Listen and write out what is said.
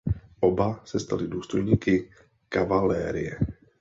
Oba se stali důstojníky kavalerie.